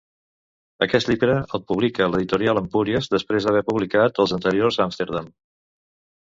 Aquest llibre el publica l'editorial Empúries després d'haver publicat els anteriors Amsterdam.